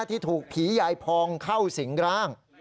ที่ถูกผีใหญ่พองเข้าสิงหร้าง